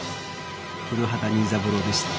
古畑任三郎でした。